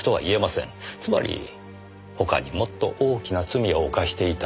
つまり他にもっと大きな罪を犯していた。